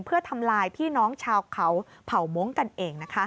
เพื่อทำลายพี่น้องชาวเขาเผ่าม้งกันเองนะคะ